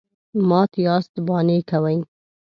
_مات ياست، بانې کوئ.